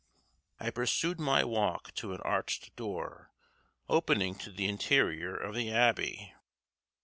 I pursued my walk to an arched door opening to the interior of the abbey.